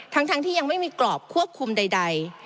ทั้งที่ยังไม่มีกรอบควบคุมใด